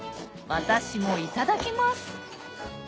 私もいただきます！